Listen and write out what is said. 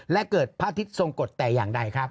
และเกิดพระอาทิตย์ทรงกฎแต่อย่างใดครับ